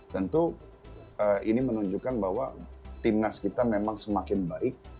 tentu ini menunjukkan bahwa timnas kita memang semakin baik